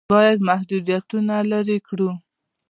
باید محدودیتونه لرې کړو.